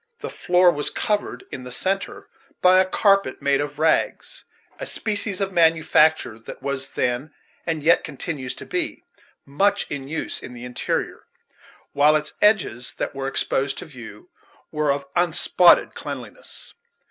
The floor was covered in the centre by a carpet made of rags, a species of manufacture that was then, and yet continues to be, much in use in the interior; while its edges, that were exposed to view, were of unspotted cleanliness.